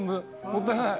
もったいない。